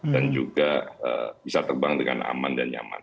dan juga bisa terbang dengan aman dan nyaman